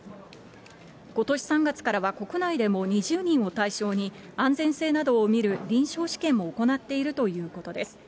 ことし３月からは国内でも２０人を対象に、安全性などを見る臨床試験も行っているということです。